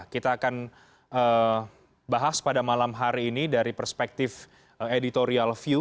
kita akan bahas pada malam hari ini dari perspektif editorial view